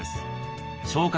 消化